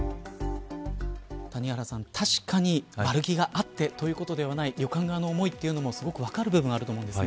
谷原さん、確かに悪気があってということではない旅館側の思いも分かる部分はあると思うんです。